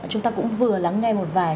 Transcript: chúng ta cũng vừa lắng nghe một vài